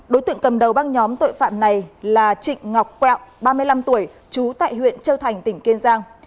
đối tượng cầm đầu băng nhóm tội phạm này là trịnh ngọc quẹo ba mươi năm tuổi trú tại huyện châu thành tỉnh kiên giang